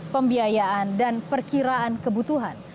pembiayaan dan perkiraan kebutuhan